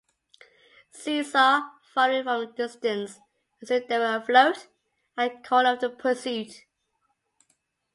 Caesar, following from a distance, assumed they were afloat and called off the pursuit.